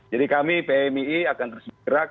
jadi kami pmi akan bergerak